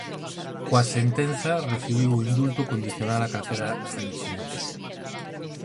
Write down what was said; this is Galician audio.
Coa sentenza recibiu o indulto condicional a calquera reincidencia.